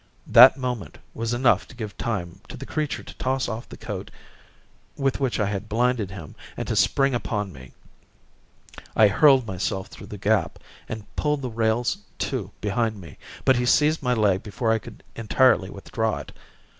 That moment was enough to give time to the creature to toss off the coat with which I had blinded him and to spring upon me. I hurled myself through the gap and pulled the rails to behind me, but he seized my leg before I could entirely withdraw it.